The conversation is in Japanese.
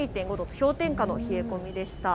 氷点下の冷え込みでした。